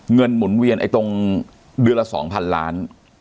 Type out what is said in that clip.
เงินหมุนเวียนตรงเดือนละ๒๐๐๐ล้านบาท